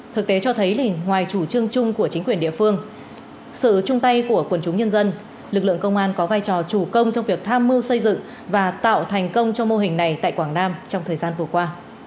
thực tế cho thấy ngoài chủ trương chung của chính quyền địa phương sự chung tay của quần chúng nhân dân lực lượng công an có vai trò chủ công trong việc tham mưu xây dựng và tạo thành công cho mô hình này tại quảng nam trong thời gian vừa qua